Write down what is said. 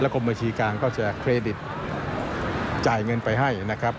กรมบาชีกลางจะเครดิตและจ่ายเงินไปให้